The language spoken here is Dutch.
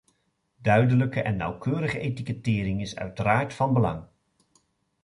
Duidelijke en nauwkeurige etikettering is uiteraard van belang.